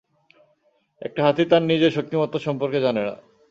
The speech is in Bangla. একটা হাতি তার নিজের শক্তিমত্তা সম্পর্কে জানে না।